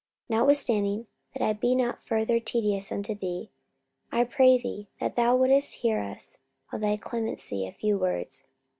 44:024:004 Notwithstanding, that I be not further tedious unto thee, I pray thee that thou wouldest hear us of thy clemency a few words.